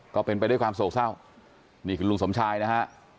ก็เป็นไปด้วยความโศกเศร้านี่คือลุงสมชายนะฮะ